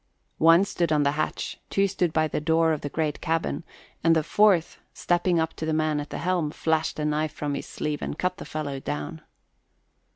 One stood on the hatch; two stood by the door of the great cabin; and the fourth, stepping up to the man at the helm, flashed a knife from his sleeve and cut the fellow down.